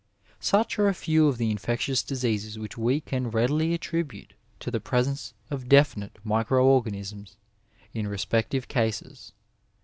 Such are a few of the infectious diseases which we can readily attribute to the presence of definite micro organ isms in respective cases.